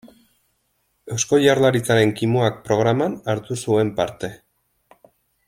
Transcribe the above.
Eusko Jaurlaritzaren Kimuak programan hartu zuen parte.